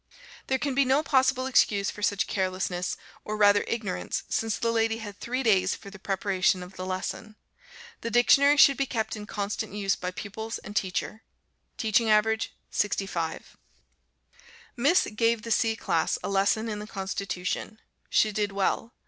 There can be no possible excuse for such carelessness, or rather ignorance, since the lady had three days for the preparation of the lesson. The dictionary should be kept in constant use by pupils and teacher. Teaching average 65. Miss gave the C class a lesson in the Constitution. She did well.